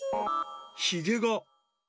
ひげが。